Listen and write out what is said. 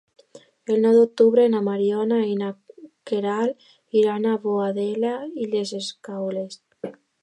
El nou d'octubre na Mariona i na Queralt iran a Boadella i les Escaules.